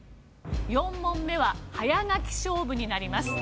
４問目は早書き勝負になります。